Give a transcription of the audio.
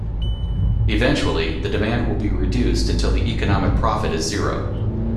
Eventually, the demand will be reduced until the economic profit is zero.